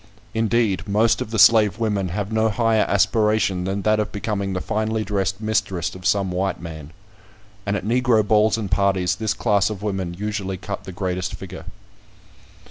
Indeed most of the slave women have no higher aspiration than that of becoming the finely dressed mistress of some white man. And at Negro balls and parties, this class of women usually cut the greatest figure.